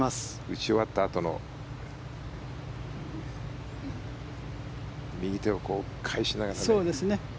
打ち終わったあとの右手を返しながら。